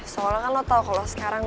soalnya kan lo tahu kalau sekarang